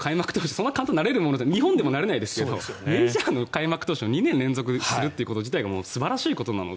そんな簡単になれるものじゃ日本でもなれないですけどメジャーの開幕投手を２年連続するっていうこと自体が素晴らしいことなので。